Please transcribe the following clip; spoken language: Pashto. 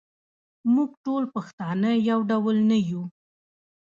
موږ ټول پښتانه یو ډول نه یوو.